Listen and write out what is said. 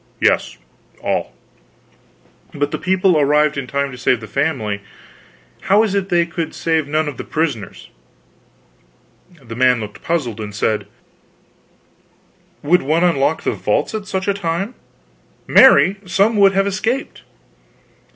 "Yes, all." "But the people arrived in time to save the family; how is it they could save none of the prisoners?" The man looked puzzled, and said: "Would one unlock the vaults at such a time? Marry, some would have escaped."